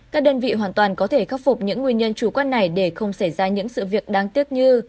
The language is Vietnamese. các đơn vị hoàn toàn có thể khắc phục những nguyên nhân chủ quan này để không xảy ra những sự việc đáng tiếc như